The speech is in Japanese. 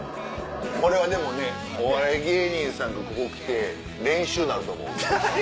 これはでもねお笑い芸人さんがここ来て練習になると思う。